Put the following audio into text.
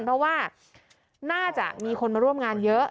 เพราะว่าน่าจะมีคนมาร่วมงานเยอะ